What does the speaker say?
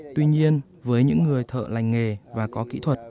tuy nhiên với những người thợ lành nghề và có kỹ thuật